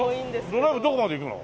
ドライブどこまで行くの？